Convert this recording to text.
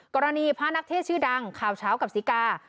พระนักเทศชื่อดังข่าวเช้ากับศรีกา